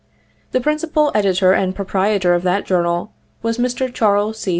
The principal ed itor and proprietor of that journal was Mr. Charles C.